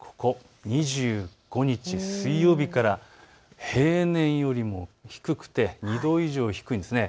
２５日水曜日から平年よりも低くて、２度以上、低いんです。